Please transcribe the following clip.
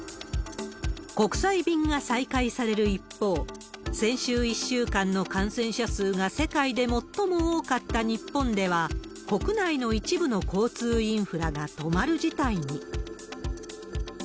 国際便が再開される一方、先週１週間の感染者数が世界で最も多かった日本では、国内の一部の交通インフラが止まる事態に。